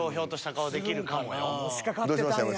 ［のしかかってたんや］